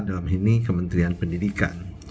dalam ini kementerian pendidikan